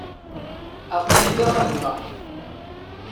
Aql-i da a gma.